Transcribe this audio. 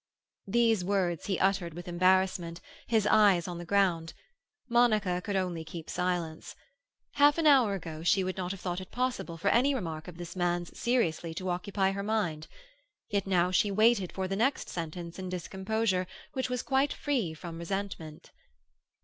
These words he uttered with embarrassment, his eyes on the ground. Monica could only keep silence. Half an hour ago she would not have thought it possible for any remark of this man's seriously to occupy her mind, yet now she waited for the next sentence in discomposure which was quite free from resentment.